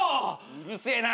うるせえな！